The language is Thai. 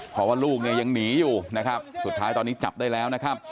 เพราะว่าลูกยังหนีอยู่สุดท้ายตอนนี้จับได้แล้ว